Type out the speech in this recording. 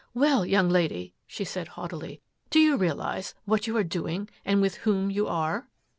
"Well, young lady," she said haughtily, "do you realize what you are doing and with whom you are?"